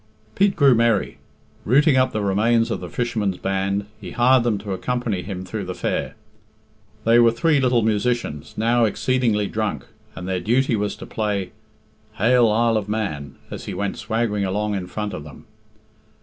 Pete grew merry. Rooting up the remains of the fishermen's band, he hired them to accompany him through the fair. They were three little musicians, now exceedingly drunk, and their duty was to play "Hail, Isle of Man," as he went swaggering along in front of them.